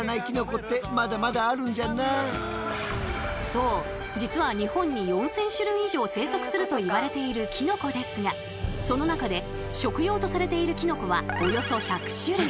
そう実は日本に４，０００種類以上生息するといわれているキノコですがその中で食用とされているキノコはおよそ１００種類。